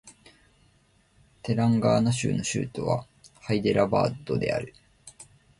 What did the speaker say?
テランガーナ州の州都はハイデラバードである